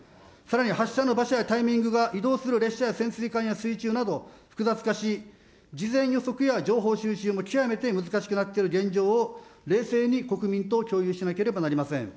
さらに発射の場所やタイミングが移動する列車や潜水艦や水中など、複雑化し、事前予測や情報収集も難しくなっている現状を、冷静に国民と共有しなければなりません。